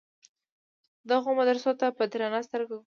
دغو مدرسو ته په درنه سترګه ګوري.